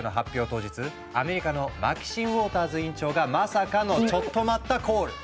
当日アメリカのマキシン・ウォーターズ委員長がまさかのチョット待ったコール！